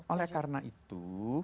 oleh karena itu